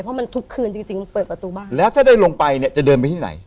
เพราะมันทุกคืนจริงจริงมันเปิดประตูบ้านแล้วถ้าได้ลงไปเนี่ยจะเดินไปที่ไหน